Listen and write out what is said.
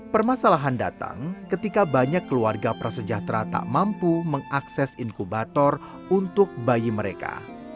permasalahan datang ketika banyak keluarga prasejahtera tak mampu mengakses inkubator untuk bayi mereka